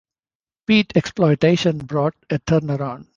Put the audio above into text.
Peat exploitation brought a turnaround.